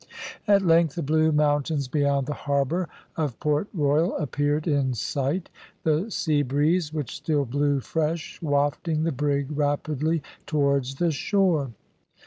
At length the Blue Mountains beyond the harbour of Port Royal appeared in sight, the sea breeze, which still blew fresh, wafting the brig rapidly towards the shore.